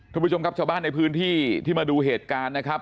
คุณผู้ชมครับชาวบ้านในพื้นที่ที่มาดูเหตุการณ์นะครับ